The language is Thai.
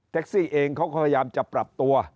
ซี่เองเขาพยายามจะปรับตัว